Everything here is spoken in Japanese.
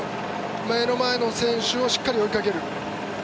目の前の選手をしっかり追いかける。